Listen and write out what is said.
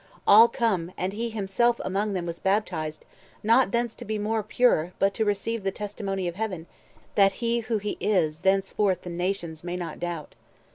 All come, And he himself among them was baptized— Not thence to be more pure, but to receive The testimony of Heaven, that who he is Thenceforth the nations may not doubt.